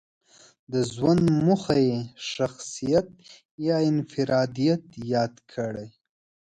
د ژوند موخه یې شخصيت يا انفراديت ياد کړی.